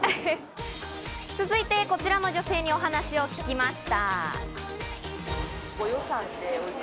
続いてこちらの女性にお話を聞きました。